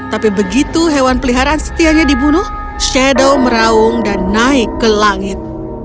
tapi begitu hewan peliharaan setianya dibunuh shadow meraung dan naik ke langit